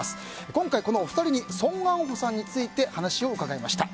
今回、このお二人にソン・ガンホさんについてお話を伺いました。